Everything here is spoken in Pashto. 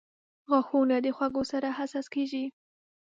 • غاښونه د خوږو سره حساس کیږي.